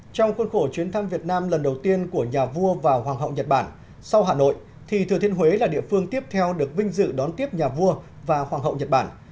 trong khuôn khổ chuyến thăm việt nam lần đầu tiên của nhà vua và hoàng hậu nhật bản sau hà nội thì thừa thiên huế là địa phương tiếp theo được vinh dự đón tiếp nhà vua và hoàng hậu nhật bản